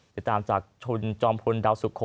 ติดตามจากคุณจอมพลดาวสุโข